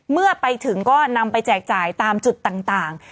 เมื่อไปถึงก็นำไปแจกจ่ายตามจุดต่าง